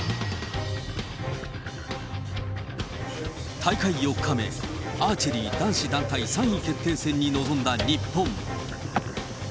大会４日目、アーチェリー男子団体３位決定戦に臨んだ日本。